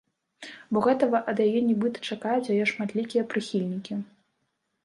Бо гэтага ад яе нібыта чакаюць яе шматлікія прыхільнікі.